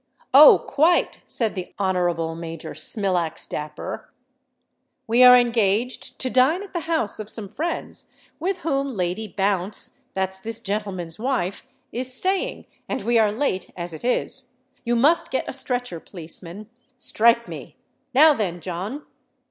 "Oh! quite," said the Honourable Major Smilax Dapper. "We are engaged to dine at the house of some friends with whom Lady Bounce—that's this gentleman's wife—is staying; and we are late as it is. You must get a stretcher, policeman—strike me! Now then, John!"